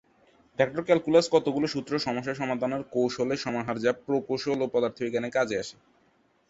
Vector calculus কতগুলি সূত্র ও সমস্যা সমাধানের কৌশলের সমাহার যা প্রকৌশল ও পদার্থবিজ্ঞানে কাজে আসে।